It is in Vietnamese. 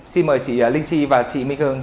xin mời chị linh chi và chị minh hương